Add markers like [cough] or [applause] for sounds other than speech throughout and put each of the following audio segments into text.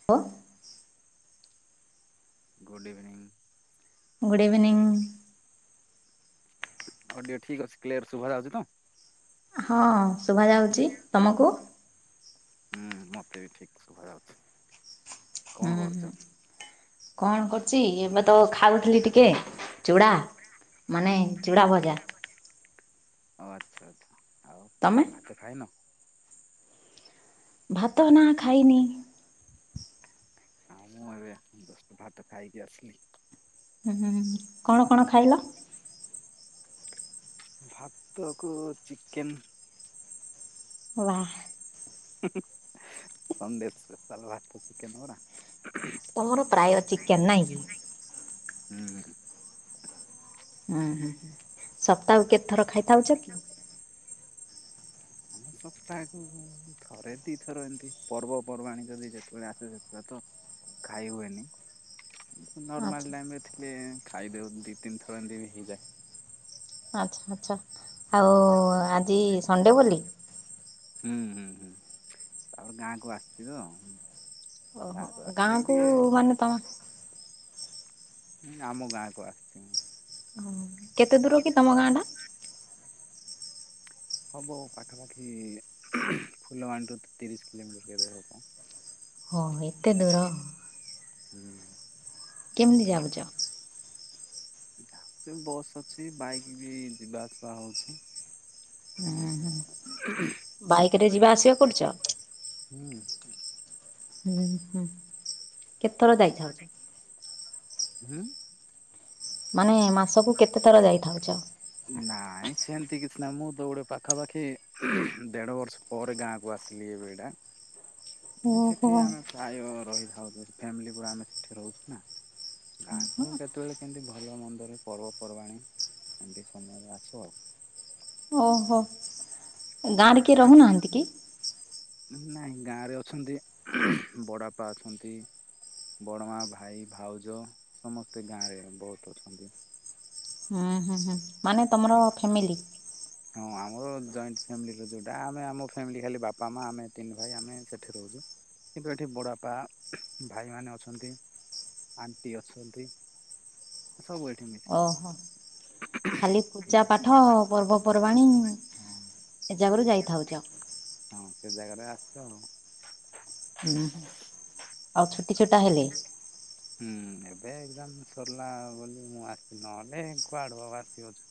[inaudible] ଗୁଡ଼ evening. Good evening. Audio ଠିକ୍ ଅଛି କ୍ଲିୟର୍ ଶୁଭାଯାଉଚି ତ? ହଁ ଶୁଭାଯାଉଚି, ତମକୁ? ହୁଁ ମତେ ବି ଠିକ୍ ଶୁଭାଯାଉଚି। ହୁଁ-ହୁଁ କଣ କରୁଚି ଏବେ ତ ଖାଉଥିଲି ଟିକେ ଚୁଡ଼ା ମାନେ ଚୁଡ଼ା ଭଜା। ଓ ଆଚ୍ଛା-ଆଚ୍ଛା। ତମେ? ଏବେ ଖାଇନ? ଭାତ ନା ଖାଇନି। ଆଉ ମୁଁ ଏବେ ଜଷ୍ଟ ଭାତ ଖାଇକି ଆସିଲି। ହୁଁ କଣ-କଣ ଖାଇଲ? ଭାତ କୁ ଚିକେନ୍। ୱା। ସଣ୍ଡେ ସ୍ପେଶାଲ୍ ଭାତ ଚିକେନ୍ ପରା। ତମର ପ୍ରାୟ ଚିକେନ୍ ନାଇଁ? ହୁଁ। ହୁଁ-ହୁଁ ସପ୍ତାହକୁ କେତେ ଥର [unintelligible] କି? ସପ୍ତାହକୁ ଥରେ ଦି ଥର ଏମ୍ତି ପର୍ବପର୍ବାଣୀ ଯଦି ଯେତେବେଳେ ଆସେ ସେତେବେଳେ ତ ଖାଇ ହୁଏନି। ଆଚ୍ଛା ନର୍ମାଲ ଟାଇମ୍ ରେ ଥିଲେ ଆଚ୍ଛା-ଆଚ୍ଛା ଆଉ ଆଜି ସଣ୍ଡେ ବୋଲି? ହୁଁ-ହୁଁ-ହୁଁ ଆଉ ଗାଁକୁ ଆସିବ। ଓହୋ ଗାଁକୁ ମାନେ ତମ ହୁଁ ଆମ ଗାଁକୁ ଆସିଚି। କେତେ ଦୂର କି ତମ ଗାଁ ଟା? ହବ ପାଖାପାଖି ଫୁଲବାଣୀରୁ ତିରିଶି କିଲୋମିଟର୍ ଭିତରେ ହବ। ହଁ ଏତେ ଦୂର। ହୁଁ। କେମ୍ତି ଯାଉଚ? [unintelligible] ବସ୍ ଅଛି ବାଇକ୍ ବି ଯିବା ଆସିବା ହଉଚି। ବାଇକ ରେ ଯିବା ଆସିବା କରୁଛ? [inaudible] ହୁଁ-ହୁଁ କେତେ ଥର ଯାଇଥାଅ? ହୁଁ। ମାନେ ମାସକୁ କେତେ ଥର ଯାଇଥାଉଚ? ନାଇଁ ସେମିତି କିଛି ନାହିଁ ମୁଁ ଦୌଡେ ପାଖାପାଖି ଦେଢ ବର୍ଷ ପରେ ଗାଁକୁ ଆସିଲି ଏଇ ଭେଡ଼ା ସେଠି ଓହୋ ଆମେ ପ୍ରାୟ ରହିଥାଉ ଫ୍ୟାମିଲି ପୁରା ଆମେ ସେଠି ରହୁଛୁ ନା ଗାଁକୁ କେତେବେଳେ କେମିତି ଭଲ ମନ୍ଦରେ ପର୍ବପର୍ବାଣୀ ଏମିତି ସମୟରେ ଆଛିବ ଆଉ ଓହୋ ଗାଁ ରେ ଗାଁ ରେ କିଏ ରହୁନାହାନ୍ତି ନାଇଁ ଗାଁରେ ଅଛନ୍ତି ବଡ଼ବାପା ଅଛନ୍ତି ବଡ଼ମା ଭାଇ ଭାଉଜ ସମସ୍ତେ ଗାଁରେ ବହୁତ ଅଛନ୍ତି ହୁଁ ହୁଁ ହୁଁ ମାନେ ତମର ଫ୍ୟାମିଲି ହଁ ଆମର ଜଏଣ୍ଟ ଫ୍ୟାମିଲିର ଯୋଉଁଟା ଆମେ ଆମ ଫ୍ୟାମିଲି ଖାଲି ବାପା ମା ଆମେ ତିନି ଭାଇ ଆମେ ସେଠି ରହୁଛୁ କିନ୍ତୁ ଏଠି ବଡ଼ବାପା ଭାଇମାନେ ଅଛନ୍ତି ଆଣ୍ଟି ଅଛନ୍ତି ସବୁ ଏଠି ମିଶିକି ଓହୋ। ରୁହନ୍ତି ଖାଲି ପୂଜା ପାଠ ପର୍ବପର୍ବାଣୀ ହଁ ସେ ଜାଗାରୁ ଯାଇଥାଉଛ ହଁ ସେ ଜାଗାରେ ଆସୁଛୁ ଆଉ ଉଁ ହୁଁ ଆଉ ଛୁଟି ଛୁଟା ହେଲେ ହୁଁ ଏବେ ଏକଦମ ସରିଲା ବୋଲି ମୁଁ ଆସିଛିି ନହେଲେ କୁଆଡେ ଆସିି ହଉଛ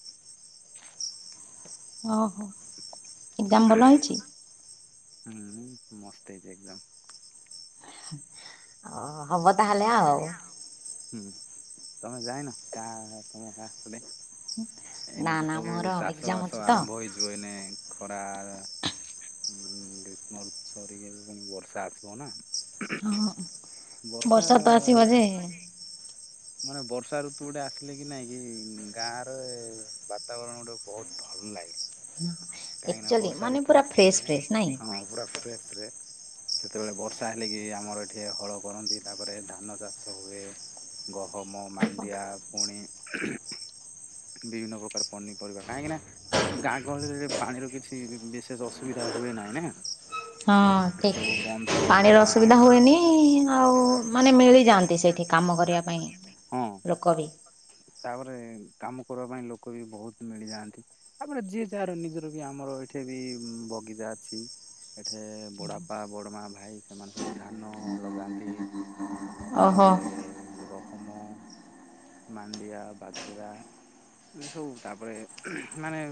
ଓହୋ ଏକ୍ସାମ୍ ଭଲ ହେଇଛି ହୁଁ ମସ୍ତ ହେଇଛି ଏକ୍ସାମ ଆଉ ହବ ହଉ ତାହେଲେ ଆଉ ହୁଁ ତମେ ଯାଇନ କାହା ତମ ଗାଁ ନା ଏଇନା ତ ନା ମୋର ସବୁ ଚାଷ ଏକ୍ଜାମ ବାସ ଅଛି ତ। ଆରମ୍ଭ ହେଇଯିବ ଏନେ ଖରା ହୁଁ ଗ୍ରୀଷ୍ମ ସରିକି ପୁଣି ବର୍ଷା ଆସିବ ନା ହଁ ବର୍ଷା ତ ଆସିବ ଯେ ମାନେ ବର୍ଷା ଋତୁ ଗୋଟେ ଆସିଲେ କି ନାଇଁ ଏଇ ଗାଁରେ ବାତାବରଣ ଗୋଟେ ବହୁତ ଭଲ ଲାଗେ ହଁ କାହିଁକି ନା ବର୍ଷା ଋତୁ ଆସିଲେ ହଁ ପୁରା ଫ୍ରେସ ରେ ସେତେବେଳେ ବର୍ଷା ହେଲେ କି ଆମର ଏଠି ହଳ କରନ୍ତି ତାପରେ ଧାନ ଚାଷ ହୁଏ ଗହମ ମାଣ୍ଡିଆ ପୁଣି ବିଭିନ୍ନ ପ୍ରକାର ପନିପରିବା କାହିଁକି ନା ଗାଁ ଗହଳିରେ। ପାଣିର କିଛି ବିଶେଷ ଅସୁବିଧା ହୁଏ ନାହିଁ ନା। ହଁ ଏଠି ଠିକ୍। ସବୁ ବନ୍ଧ ପାଣିର ଚୁଆଁ ଅସୁବିଧା ହୁଏନି। ଆଉ ମାନେ ମିଳିଯାଆନ୍ତି ସେଇଠି କାମ କରିବା ହଁ ପାଇଁ। ଲୋକ ବି। ତାପରେ କାମ କରିବା ପାଇଁ ଲୋକ ବି ବହୁତ ମିଳିଯାଆନ୍ତି। ତାପରେ ଯିଏ ଯାହାର ନିଜର ବି ଆମର ଏଇଠି ବି ବଗିଚା ଅଛି। ଏଠି ବଡ଼ାପା, ବଡ଼ମା, ଭାଇ ସେମାନେ ସବୁ ଧାନ ଲଗାନ୍ତି। ଓହୋ ତାପରେ ଗହମ। ମାଣ୍ଡିିଆ, ବାଜରା ଏଇ ସବୁ ତାପରେ ମାନେ।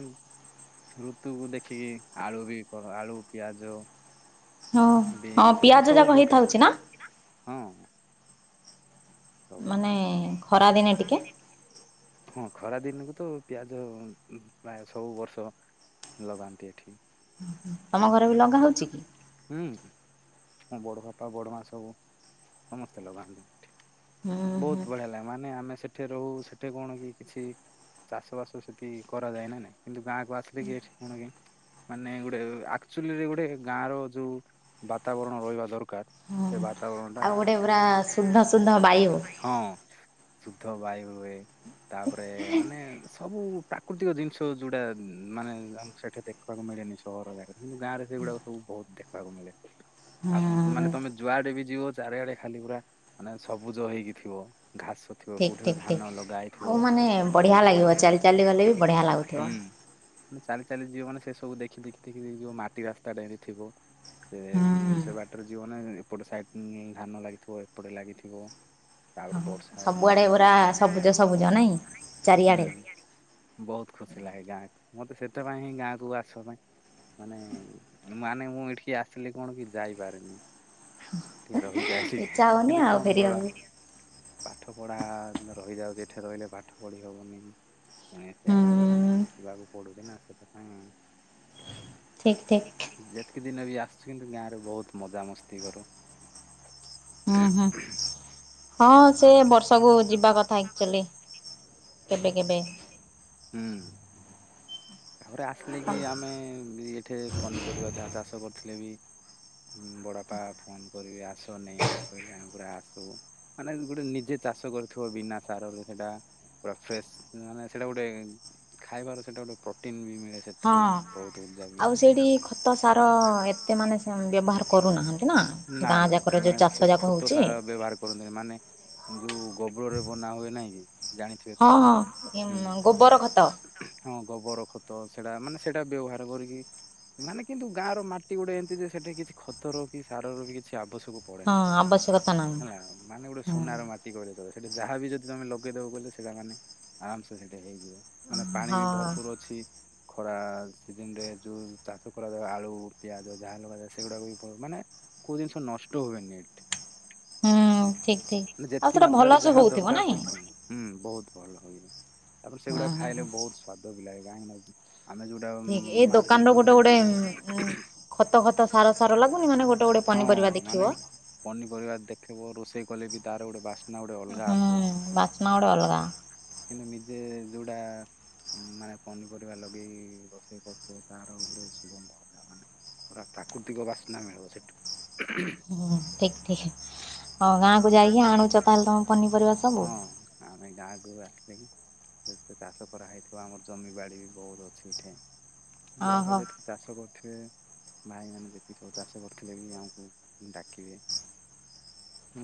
ଋତୁକୁ ଦେଖିକି ଆଳୁ ବି କ ଆଳୁ, ପିଆଜ। ହଁ ହଁ ବିନ୍ସ ମାନେ ପିଆଜ ସବୁ ଯାକ ହେଇଥାଉଛି ନା? ପ୍ରକାର ହଁ। ସବୁ ମାନେ ଖରାଦିନେ ଟିକେ ହଁ ଖରା ଦିନକୁ ତ ପିଆଜ ଉ ପ୍ରାୟ ସବୁ ବର୍ଷ ଲଗାନ୍ତି ଏଠି। ତମ ଘରେ ଆମ ଲଗା ଘରେ ବି ହଉଛି କି? [unintelligible] ହୁଁ ମୋ ବଡ଼ ବାପା ବଡ ମା ସବୁ ସମସ୍ତେ ଲଗାନ୍ତି ଏଠି। ହୁଁ ହୁଁ ବହୁତ ବଢିଆ ଲାଗେ ମାନେ ଆମେ ସେଠି ରହୁ ସେଠି କଣ କି କିଛି। ଚାଷ ବାସ ସେଠି କରାଯାଏ ନା ନାଇଁ କିନ୍ତୁ ଗାଁକୁ ଆସିଲେ କି ଏଠି କଣକି। ମାନେ ଗୋଟେ ଆକ୍ଚୁଲିରେ ଗୋଟେ ଗାଁ ର ଯୋଉ ବାତାବରଣ ରହିବା ଦରକାର। ସେ ହଁ। ବାତାବରଣ। ଟା ଆଉ ଗୋଟେ ପୁରା ଶୁଦ୍ଧ ଶୁଦ୍ଧ ବାୟୁ। ହଁ ଶୁଦ୍ଧ ବାୟୁ ହୁଏ। ତାପରେ ମାନେ ସବୁ ପ୍ରାକୃତିକ ଜିନିଷ ଯୋଉଟା ମାନେ ଆମ ସେଠି ଦେ ଦେଖିବାକୁ ମିଳେନି ସହର ଜାଗାରେ କିନ୍ତୁ ଗାଁରେ ସେଗୁଡାକ ସବୁ ବହୁତ ଦେଖିବାକୁ ମିଳେ। ଆଉ ମାନେ ତମେ ଯୁଆଡେ ବି ଯିବ ଚାରିଆଡେ ଖାଲି ପୁରା। ମାନେ ସବୁଜ ହେଇକି ଥିବ ଘାସ। ଥିବ ଠିକ କୋଉଠି ତ ଠିକ ଠିକ। ଧାନ ଆଉ ଲଗାହେଇଥିବ ମାନେ ବଢ଼ିଆ ବହୁତ ବଡ ଲାଗିବ ବଡ ଗଛ ଚାଲି ଚାଲି ଗଲେ ବି ବଢ଼ିଆ ଲାଗୁଥିବ। ହୁଁ। ମାନେ ଚାଲି ଚାଲି ଯିବ ମାନେ ସେ ସବୁ ଦେଖି ଦେଖି ଦେଖି ଦେଖି ଯିବ ମାଟି ରାସ୍ତାଟେ ସେଠି ଥିବ। ସେ ହୁଁ ସେ ବାଟରେ ଯିବନା ଏପଟେ ସାଇଟ୍ ଧାନ ଲାଗିଥିବ ଏପଟେ ଲାଗିଥିବ। ତାପରେ ବର୍ଷା ହେଇକି ସବୁଆଡେ ପୁରା ମାନେ ହୁଁ ସବୁଜ ସବୁଜ ନାଇଁ ଚାରିଆଡେ। ବହୁତ ଖୁସି ଲାଗେ ଗାଁକୁ ମତେ ସେଥିପାଇଁ ହିଁ ଗାଁକୁ ଆସିବା ପାଇଁ। ମାନେ ମାନେ ମୁଁ ଏଠିକି ଆସିଲି କଣ କି ଯାଇପାରେନି। ଟିକେ ରହିଯାଏ ଟିକେ ଇଚ୍ଛା ହଉନି କିନ୍ତୁ ଆଉ କଣ କରିବା। ଫେରିବାକୁ। ପାଠ ପଢା ରହିଯାଉଚି ଏଠି ରହିଲେ ପାଠ ପଢି ହବନି। ପୁଣି ସିଆଡେ ହୁଁ ଯିବାକୁ ପଡୁଚି ନା ସେଥି ପାଇଁ। ଠିକ ଠିକ ଯେତ୍ କି ଦିନ ବି ଆସିଚି କିନ୍ତୁ ଗାଁରେ ବହୁତ ମଜାମସ୍ତି କରୁ। ଉଁ ହୁଁ। ହଁ ସେ ବର୍ଷକୁ ଯିବା କଥା ଆକ୍ଚୁଲି କେବେ କେବେ। ହୁଁ। ତାପରେ ଆସିଲେ କି ଆମେ ଏଠି ପନିପରିବା ଯାହା ଚାଷ କରିଥିଲେ ବି। ହୁଁ ବଡ଼ପା ଫୋନ୍ କରିବେ ଆସ ନେଇ ଆସ କହିଲେ ଆମେ ପୁରା ଆସିବୁ। ମାନେ ଗୋଟେ ନିଜେ ଚାଷ କରୁଥିବ ବିନା ସାରରେ ସେଟା। ପୁରା ଫ୍ରେସ୍ ମାନେ ସେଇଟା ଗୋଟେ ଖାଇବାର ସେଟା ଗୋଟେ ପ୍ରୋଟିନ ବି ମିଳେ ସେ ହିଁ ଆଉ ସେଇଠି ଖତ ସାର ଏତେ ମାନେ ସେ ବ୍ୟବହାର କରୁନାହାନ୍ତି ନା। ନା ଗାଁ ନା ଯାକର ଯେଉଁ ସେମାନେ ଚାଷ ସେ ଯାକ ଖତ ହେଉଛି ସାର ବ୍ୟବହା କରନ୍ତିନି ମାନେ ଯୋଉ ଗୋବରରେ ବନା ହୁଏ ନାହିକି? ହଁ ହଁ ଏ ମ ଗୋବର ଖତ। ହଁ ଗୋବର ଖତ ସେଟା ମାନେ ସେଇଟା ବ୍ୟବହାର କରିକି। ମାନେ କିନ୍ତୁ ଗାଁ ର ମାଟି ଗୁଡେ ଏମିତି ଯେ ସେଠି କିଛି ଖତର କି ସାରର କିଛି ଆବଶ୍ୟକ। ହଁ ପଡେନା ଆବଶ୍ୟକତା ନାହିଁ ହେଲା ମାନେ ଗୋଟେ ହଁ ସୁନାର ମା [unintelligible] ଯାହା ବି ଯଦି ତମେ ଲଗେଇଦବ କହଲେ ସେଇଟା ମାନେ ଆରାସେ ସେଇଟା ହେଇଯିବ। ମାନେ ପାଣି ବି ହଁ ଭରପୁର ଅଛି। ଖରା ସିିଯିନିରେ ଯୋଉ ଚାଷ କରାଯାଏ ଆଳୁ ପିଆଜ ଯାହା ଲଗାଯାଏ ସେଗୁଡାକ ବି ମାନେ। କେଉ ଜିନିଷ ନଷ୍ଟ ହୁଏନି ଏଠି। ହୁଁ ଠିକ୍ ମାନେ ଠିକ୍ ଆଉ ଯେତିକି ସେଟା ମାତ୍ରାରେ ଭଲସେ ଯାହା ହଉଥିବ ଦରକାର ନାଇଁ? ସେତିକି ହୁଁ ବହୁତ ଭଲ ହୁଏ ତାପଣ ହୁଁ ସେଗୁଡା ହୁଁ ଖାଇଲେ ହୁଁ ବହୁତ ସ୍ଵାଦ ବି ଲାଗେ କାହିଁକି ନା। ଆମେ ଯୋଉଟା ଠିକ ଏଇ ମାର୍କେଟ ଦୋକାନର ଗୋଟେ ଗୋଟେ [unintelligible] ଖତ ଖତ ସାର ସାର ଲାଗୁନି ମାନେ ଗୋଟେ ଗୋଟେ ହଁ ପନିପରିବା ଦେଖିବ ମାନେ। ପନିପରିବା ଦେଖିବ ରୋଷେଇ କଲେବି ତାର ଗୋଟେ ବା ହୁଁ ବାସ୍ନା ଗୋଟେ ଅଲଗା। କିନ୍ତୁ ନିଜେ ଯୋଉଟା ମାନେ ପନିପରିବା ଲଗେଇ ରୋଷେଇ କରୁଥିବ ତାର ଗୋଟେ ସୁଗନ୍ଧ ମାନେ ପୁରା ପ୍ରାକୃତିକ ବାସ୍ନା ମିଳିବ ସେଠୁ। ହୁଁ ଠିକ୍ ଠିକ୍ ହଁ ଗାଁକୁ ଯାଇକି ଆଣୁଚ ତାହେଲେ ତମେ ପନିପରିବା ସବୁ? ହଁ ଆମେ ଗାଆଁକୁ ଆସିଲେ ସେଚାଷ କରାହେଇଥା ତ ଆମର ଜମିିବାଡ଼ିବି ବହୁତ ଅଛି ଏଠି ଓହୋ ବୁଢାବାପା ଯେତିକି ଚାଷ କରୁଥିବେ ଭାଇମାନେ ଯେତିକି ସବୁ ଚାଷ କରିଥିଲେବି ଆମକୁ ଡାକିବେ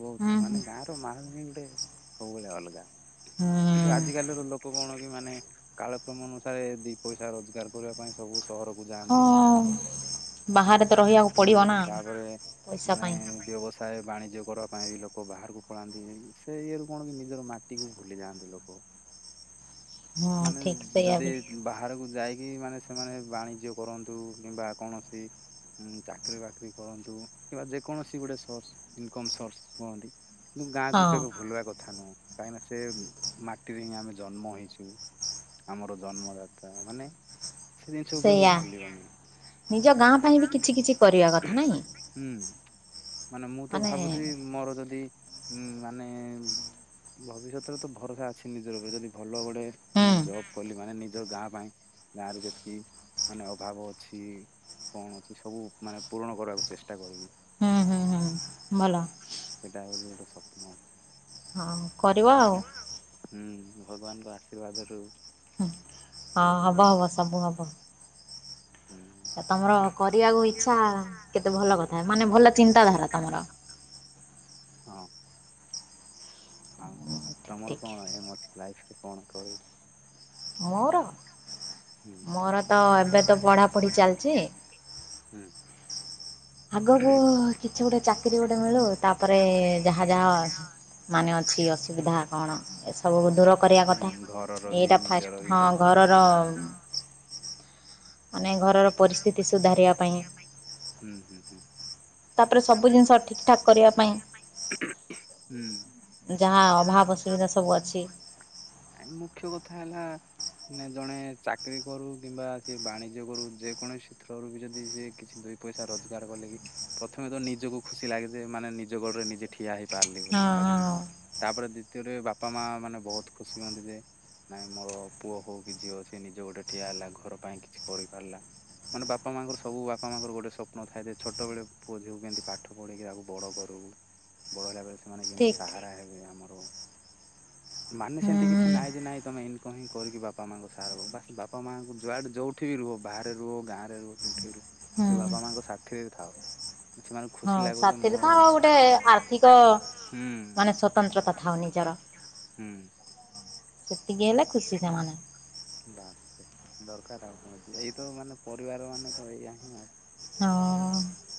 ବହୁତ୍ ହୁଁ ହୁଁ ମାନେ ଗାଁର ମାହାଲହିଁ ଗୋଟେ ସବୁବେଳେ ଅଲଗା। କିନ୍ତୁ ହୁଁ ଆଜି କାଲିର ଲୋକ କଣକି ମାନେ କାଳକ୍ରମ ଅନୁସାରେ ଦି ପଇସା ରୋଜଗାର କରିବା ପାଇଁ ସବୁ ସହରକୁ ଯାଆନ୍ତି ହଁ। ବାହାରେ ତ ରହିବାକୁ ପଡ଼ିବ ନା ହୁଁ ତାପରେ ପଇସା ମାନେ ପାଇଁ ବ୍ୟବସ ପ୍ରାୟ ବାଣିଜ୍ୟ କରିବା ପାଇଁବି ଲୋକ ବାହାରକୁ ପଳାନ୍ତି ସେଇଏରୁ କଣକି ନିଜର ମାଟିକୁ ଭୁଲିଯାଆନ୍ତି। ଲୋକ ହଁ ମାନେ ଠିକ୍ ସେଇଆ ଯଦି ବି ବାହାରକୁ ଯାଇକି ମାନେ ସେମାନେ ବାଣିଜ୍ୟ କରନ୍ତୁ କିମ୍ବା କୌଣସି ଁ ଚାକିରୀ ବାକିରି କରନ୍ତୁ କିମ୍ବା ଯେକୌଣସି ଗୋଟେ ସୋର୍ସ ଇନକମ୍ ସୋର୍ସ କୁହନ୍ତି କିନ୍ତୁ ଗାଁକୁ ହଁ କେବେ ଭୁଲଆ କଥା ନୁହଁ କାହିଁକିନା ସେ ମାଟିରେହିଁ ଆମେ ଜନ୍ମ ହେଇଚୁ ଆମର ଜନ୍ମଦାତା ମାନେ ସେ ଜିନିଷକୁ କେବେ ସେଇୟା ଭୁଲିବନି ନିଜ ଗାଁ ପାଇଁବି କିଛି କିଛି କରିବା କଥା ନାହିଁ? ହୁଁ ମାନେ ମୁଁତ ଭାବୁଚି ମୋର ଯଦି ହୁଁ ମାନେ ଭବିଷ୍ୟତରେତ ଭରସା ଅଛି ନିଜର ଉପରେ ଯଦି ଭଲ ଗୋଟେ ମୁଁ ଜବ୍ କଲି ମାନେ ନିଜ ଗାଁ ପାଇଁ ଗାଁରେ ଯେତିକି ମାନେ ଅଭାବ ଅଛି କଣ ଅଛି ସବୁ ମାନେ ପୂରଣ କରିବାକୁ ଚେଷ୍ଟା କରିବି। ହୁଁ ହୁଁ ହୁଁ ଭଲ। ସେଇଟା ହୋଉଚି ଗୋଟେ ସ୍ୱପ୍ନ ହଁ କରିବ ଦେଖିଆ କରିବ ଆଉ। ହୁଁ ଭଗବାନଙ୍କ ଆଶୀର୍ବାଦରୁ ହଁ ହେଲେ ତ ହବ ବହୁତ ହବ ସବୁ ହବ। ହୁଁ ଆଁ ତମର କରିବାକୁ ଇଚ୍ଛା କେତେ ଭଲ କଥା ମାନେ ଭଲ ଚିନ୍ତାଧାରା ତମର। ହଁ। ଆଉ ହଁ ଠିକ୍ ତମର ଠିକ୍ କଣ ଏମ୍ ଅଛି ଲାଇଫରେ କଣ କହିବି ମୋରତ ଏବେତ ପଢ଼ାପଢ଼ି ଚାଲିଚି ହୁଁ। ଆଗକୁ କିଛି ଗୋଟେ ଚାକିରି ଗୋଟେ ମିଳୁ ତାପରେ ଯାହା ଯାହା ମାନେ ଅଛି ଅସୁବିଧା କଣ ଏସବୁକୁ ଦୂର କରିବା କଥା ହୁଁ ଘରର ବି ଏଇଟା ନିଜର ଫାଷ୍ଟ ବି ହଁ। ଯାହା ଘରର ମାନେ ଘରର ସେଘରର ପରିସ୍ଥିତି ପାଇଁ ସୁଧାରିବା ପାଇଁଁ ହୁଁ ହୁଁ ହୁଁ। ତାପରେ ସବୁ ଜିନିଷ ଠିକ୍ ଠାକ୍ କରିବା ପାଇଁ ହୁଁ। ଯାହା ଅଭାବ ଅସୁବିଧା ସବୁ ଅଛି ଆ ମୁଖ୍ୟ କଥା ହେଲା ମାନେ ଜଣେ ଚାକିରୀ କରୁ କିମ୍ବା ସେବାଣିଜ୍ୟ କରୁ ଯେକୌଣସି କ୍ଷତ୍ରରୁବି ଯଦି କିଛି ଦୁଇ ପଇସା ରୋଜଗାର କଲେ କି ପ୍ରଥମେତ ନିଜକୁ ଖୁସି ଲାଗେଯେ ମାନେ ନିଜ ଗୋଡ଼ରେ ନିଜେ ଠିଆ ହେଇପାରିଲି ବୋଲି ଭାବିବି ହଁ। ତାପରେ ଦ୍ୱିତୀୟରେ ବାପା ମା ମାନେ ବହୁତ ଖୁସି ହୁଅନ୍ତି ଯେ ନାଇଁ ମୋର ପୁଅ ହଉ କି ଝିଅ ସେ ନିଜ ଗୋଡରେ ଠିଆ ହେଲା, ଘର ପାଇଁ କିଛି କରିପାରିଲା! ମାନେ ବାପା ମାଙ୍କର ସବୁ ବାପା ମାଆଙ୍କର ଗୋଟେ ସ୍ୱପ୍ନ ଥାଏ ଯେ ଛୋଟବେଳେ ପୁଅ ଝିଅକୁ କେମିତି ପାଠ ପଢ଼େଇକି ଆକୁ ବଡ଼ କରୁ! [unintelligible] ବଡ଼ ହେଲାବେଳେ ସେମାନେ କେମିତି ଠିକ୍ ସାହାରା ହେବେ ଆମର! [unintelligible] ମାନେ ସେମିତି କିଛି ନାଇଁ ଯେ ନାଇଁ ତମେ ଇନିକମ୍ କରିକି ହିଁ ବାପା ମାଆଙ୍କୁ ସାହା ହବ! ବାସ ବାପା ମାଆଙ୍କୁ ଯୁଆଡେ ଯୋଉଠୁ ଠି ରୁହ ବାହାରେ ରୁହ ଗାଁରେ ରୁହ ଯେଉଁଠି ବି ରୁହ ହୁଁ କିନ୍ତୁ ବାପା ମାଙ୍କ ସାଥିରେ ଥାଅ! ସେମାନଙ୍କୁ ହଁ ଖୁସି ଲାଗୁଚି ସାଥିରେ ମ ତ ସେତିକତ ଗୋଟେ ଆଉ ଆର୍ଥିକ ହାର୍ଦ୍ରିକ ମୁଁ ହୁଁ ମାନେ ସ୍ୱତନ୍ତ୍ରତା ସକାଳୁ ଥାଉ ସକାଳୁ ନିଜର ହାପ ଗିଅର ହୁଁ ସେତିକି ହେଲେ ଖୁସି ସେମାନେ। ବାସ ଫେତ ଦରକାର ଆଉ କଣ ଅଛି! ଏଇ ତ ମାନେ ପରିବାର ମାନେ ତ ଏଇୟା ହିଁ ଆଉ। ହଁ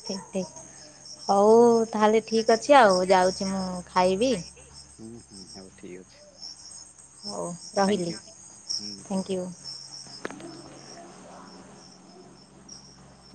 ଠିକ୍ ଠିକ୍। ହଉ ତାହେଲେ ଠିକ ଅଛି ଆଉ ଯାଉଚି ମୁଁ ଖାଇବି। ହୁଁ ହୁଁ ସବୁ ଠିକ୍ ଅଛି, ହଉ ରହିଲି ଥ୍ୟାଙ୍କୟୁ ହୁଁ ଉଁ ଥ୍ୟାଙ୍କ ଥ୍ୟାଙ୍କୟୁ। U U.